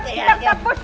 komentari ya kan